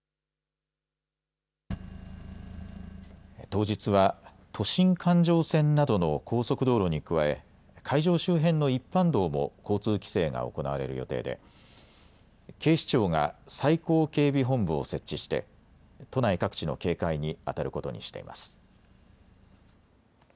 当日は都心環状線などの高速道路に加え会場周辺の一般道も交通規制が行われる予定で警視庁が最高警備本部を設置して都内各地の警戒にあたることにしています。